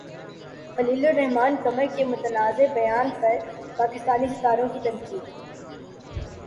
خلیل الرحمن قمر کے متنازع بیان پر پاکستانی ستاروں کی تنقید